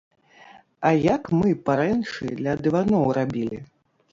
А як мы парэнчы для дываноў рабілі.